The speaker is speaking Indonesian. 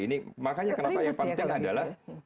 ini makanya kenapa yang penting adalah